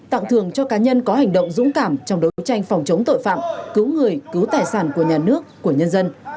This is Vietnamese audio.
tặng thường cho cá nhân có hành động dũng cảm trong đấu tranh phòng chống tội phạm cứu người cứu tài sản của nhà nước của nhân dân